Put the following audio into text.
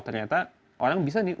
ternyata orang bisa nih